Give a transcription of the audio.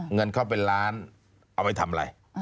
เงินเข้าเป็นล้านเอาไปทำอะไร